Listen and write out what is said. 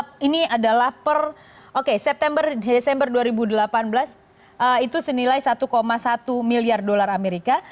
ini adalah per oke september desember dua ribu delapan belas itu senilai satu satu miliar dolar amerika